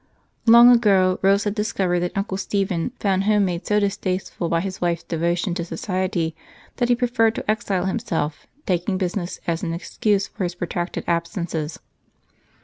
Long ago Rose had discovered that Uncle Stephen found home made so distasteful by his wife's devotion to society that he preferred to exile himself, taking business as an excuse for his protracted absences.